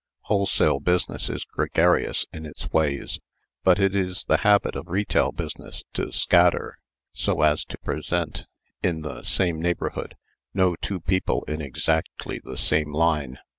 Wholesale business is gregarious in its ways; but it is the habit of retail business to scatter, so as to present, in the same neighborhood, no two people in exactly the same line.